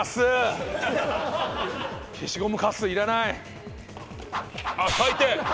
消しゴムかすいらない。